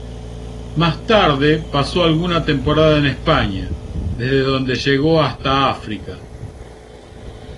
Más tarde, pasó alguna temporada en España, desde donde llegó hasta África.